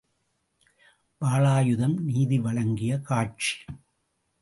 வாளாயுதம் நீதி வழங்கிய காட்சி!